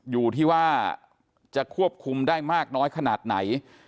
อยู่ที่ว่าจะควบคุมได้มากน้อยขนาดไหน